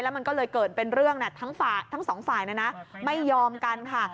มันก็เลยเกิดเป็นเรื่องทั้งสองฝ่ายนะนะไม่ยอมกันค่ะ